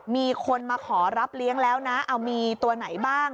มีคนมาขอรับเลี้ยงแล้วนะเอามีตัวไหนบ้าง